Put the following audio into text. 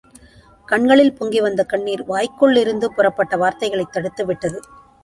கண்களில் பொங்கி வந்த கண்ணீர், வாய்க்குள்ளிருந்து புறப்பட்ட வார்த்தைகளைத் தடுத்துவிட்டது.